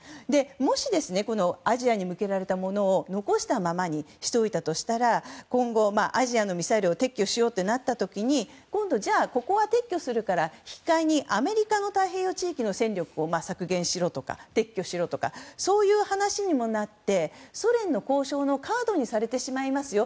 もし、アジアに向けられたものを残したままにしておいたとしたら今後、アジアのミサイルを撤去しようとなった時に今度は、ここを撤去するから引き換えにアメリカの太平洋地域の戦力を削減しろとか撤去しろとかそういう話にもなってソ連の交渉のカードにされてしまいますよ。